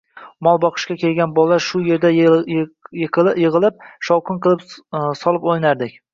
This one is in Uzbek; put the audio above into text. Mol boqishga kelgan bolalar shu yerda yig‘ilib shovqin qilib solib o‘ynardik.